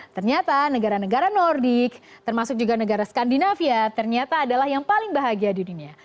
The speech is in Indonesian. ternyata negara negara nordik termasuk juga negara skandinavia ternyata adalah yang paling bahagia di dunia